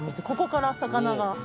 ここから魚が。